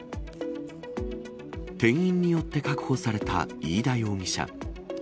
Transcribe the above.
店員によって確保された飯田容疑者。